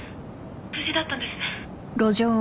無事だったんですね？